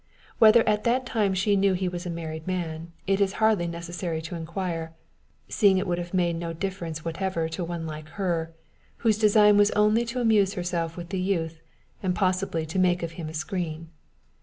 Whether at that time she knew he was a married man, it is hardly necessary to inquire, seeing it would have made no difference whatever to one like her, whose design was only to amuse herself with the youth, and possibly to make of him a screen.